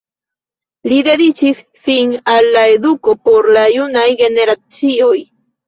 Li dediĉis sin al la eduko por la junaj generacioj.